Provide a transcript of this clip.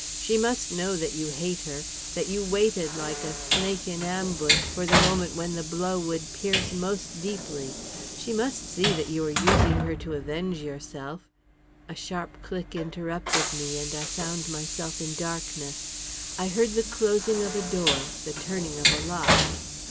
She must know that you hate her that you waited, like a snake in ambush, for the moment when the blow would pierce most deeply; she must see that you are using her to avenge yourself " A sharp click interrupted me, and I found myself in darkness. I heard the closing of a door, the turning of a lock.